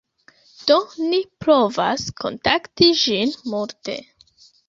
Do ni provas kontakti ĝin multe